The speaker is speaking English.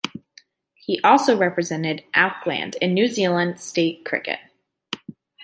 He also represented Auckland in New Zealand State cricket.